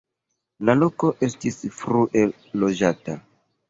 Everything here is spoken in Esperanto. La loko estis frue loĝata.